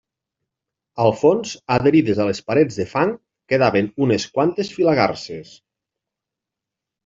Al fons, adherides a les parets de fang, quedaven unes quantes filagarses.